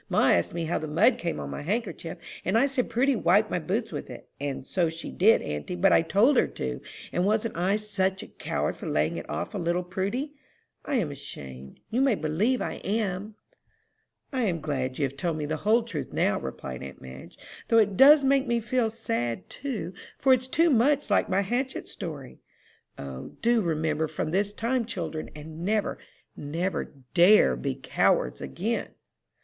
"Ma asked me how the mud came on my handkerchief, and I said Prudy wiped my boots with it. And so she did, auntie, but I told her to; and wasn't I such a coward for laying it off on little Prudy? I am ashamed you may believe I am." "I am glad you have told me the whole truth now," replied aunt Madge, "though it does make me feel sad, too, for it's too much like my hatchet story. O, do remember from this time, children, and never, never, dare be cowards again!"